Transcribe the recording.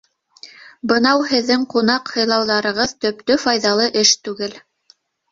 Бынау һеҙҙең ҡунаҡ һыйлауҙарығыҙ төптө файҙалы эш түгел.